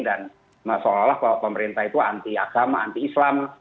dan masalah masalah kalau pemerintah itu anti agama anti islam